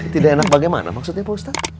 tidak enak bagaimana maksudnya pak ustadz